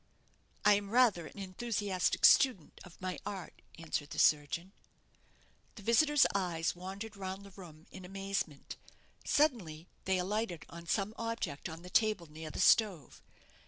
"I am rather an enthusiastic student of my art," answered the surgeon. The visitor's eyes wandered round the room in amazement. Suddenly they alighted on some object on the table near the stove.